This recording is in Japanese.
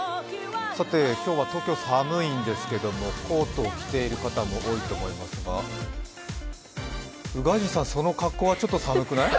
さて、今日は東京、寒いんですけれどもコートを着ている方も多いと思いますが、宇賀神さん、その格好はちょっと寒くない？